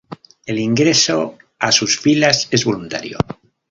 El ingreso a sus filas es voluntario.